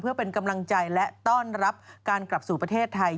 เพื่อเป็นกำลังใจและต้อนรับการกลับสู่ประเทศไทย